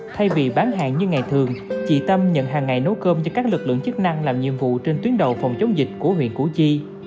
thay vì bán hàng như ngày thường chị tâm nhận hàng ngày nấu cơm cho các lực lượng chức năng làm nhiệm vụ trên tuyến đầu phòng chống dịch của huyện củ chi